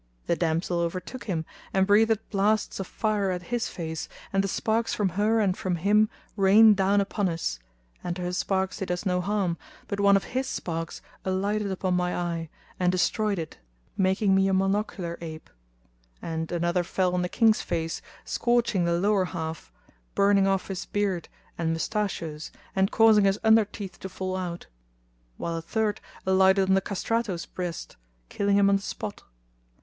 The damsel overtook him and breathed blasts of fire at his face and the sparks from her and from him rained down upon us, and her sparks did us no harm, but one of his sparks alighted upon my eye and destroyed it making me a monocular ape; and another fell on the King's face scorching the lower half, burning off his beard and mustachios and causing his under teeth to fall out; while a third alighted on the Castrato's breast, killing him on the spot.